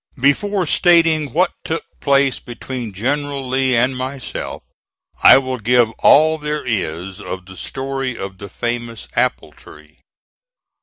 Before stating what took place between General Lee and myself, I will give all there is of the story of the famous apple tree.